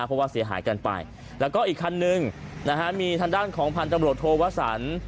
เพราะว่าเสียหายกันไปแล้วก็อีกคันนึงนะฮะมีทางด้านของพันธบรวจโทวสัน